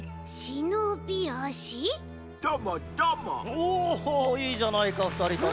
おいいじゃないかふたりとも。